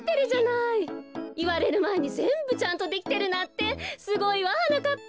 いわれるまえにぜんぶちゃんとできてるなんてすごいわはなかっぱ。